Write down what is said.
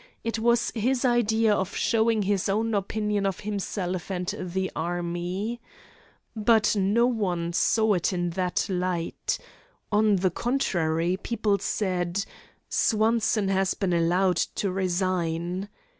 It was his idea of showing his own opinion of himself and the army. But no one saw it in that light. On the contrary, people said: "Swanson has been allowed to resign."